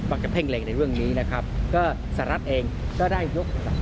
บางทีจะเพ่งแรงในเรื่องนี้นะครับก็สหรัฐเองก็ได้ยก